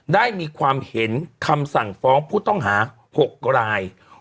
ได้มีความเห็นคำสั่งฟ้องผู้ต้องหา๖ราย